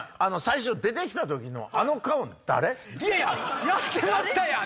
いやいややってましたやん！